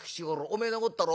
お前のこったろ？